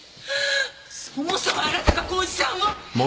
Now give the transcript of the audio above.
そもそもあなたが孝一さんを！